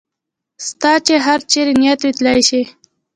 ستا چې هر چېرې نیت وي تلای شې.